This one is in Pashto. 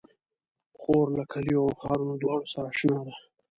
خور له کليو او ښارونو دواړو سره اشنا ده.